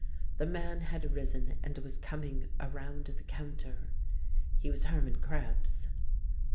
The man had risen and was coming around the counter. He was Hermann Krebs.